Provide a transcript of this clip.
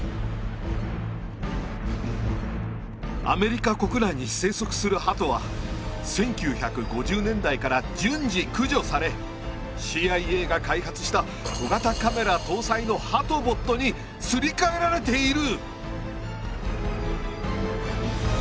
「アメリカ国内に生息するハトは１９５０年代から順次駆除されＣＩＡが開発した小型カメラ搭載のハトボットにすり替えられている！」。